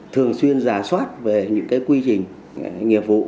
thường xuyên giả soát về những quy trình nghiệp vụ